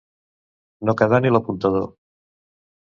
No quedar ni l'apuntador.